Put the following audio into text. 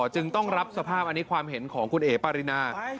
จึงต้องรับสภาพอันนี้ความเห็นของคุณเอ๋ปารินา